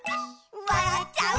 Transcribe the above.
「わらっちゃう」